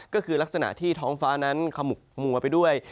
ก็คือลักษณะที่ท้องฟ้านั้นขมุกมัวไปด้วย